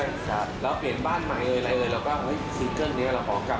ซีเกิ้ลนี้เรากลับมาเป็นไซส์แบบทำสนุกแบบเราเต็มที่ก็แล้วกัน